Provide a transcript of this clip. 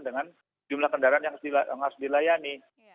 dengan jumlah kendaraan yang harus dilayani